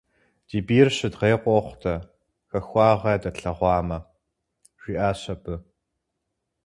- Ди бийр щыдгъей къохъу дэ, хахуагъэ ядэтлъэгъуамэ, - жиӀащ абы.